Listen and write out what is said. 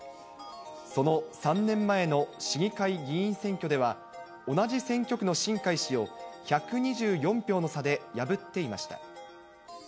その３年前の市議会議員選挙では、同じ選挙区の新開氏を１２４票の差で破っていました。